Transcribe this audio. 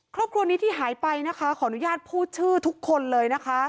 ครอบครัวนี้ที่หายไปนะคะขออนุญาตพูดชื่อทุกคนเลยนะคะ